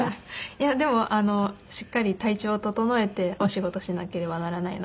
いやでもしっかり体調を整えてお仕事しなければならないので。